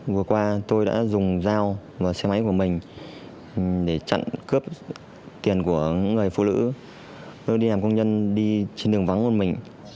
vừa qua tôi đã dùng dao vào xe máy của mình để chặn cướp tiền của người phụ nữ tôi đi làm công nhân đi trên đường vắng của mình